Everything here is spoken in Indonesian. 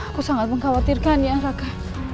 aku sangat mengkhawatirkan ya raka